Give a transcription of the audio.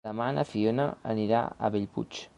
Demà na Fiona anirà a Bellpuig.